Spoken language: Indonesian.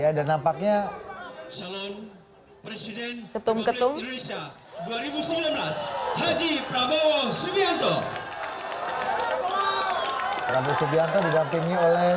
ada nampaknya salun presiden ketum ketum dua ribu sembilan belas haji prabowo subianto subianto didampingi oleh